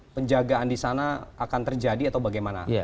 penjagaan di sana akan terjadi atau bagaimana